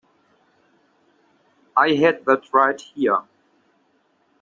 I had that right here.